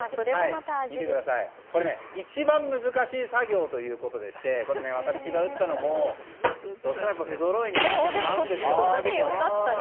一番難しい作業ということで私が打ったのも不ぞろいになってしまうんです。